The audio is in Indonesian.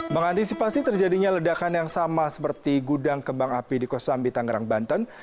mengantisipasi terjadinya ledakan yang sama seperti gudang kembang api di kosambi tangerang banten